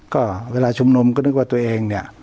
ก็เวลาชุมนุมก็นึกว่าตัวเองเนี่ย